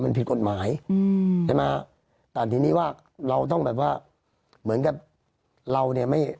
มันผิดกฎหมายอืมใช่ไหมแต่ทีนี้ว่าเราต้องแบบว่าเหมือนกับเราเนี่ยไม่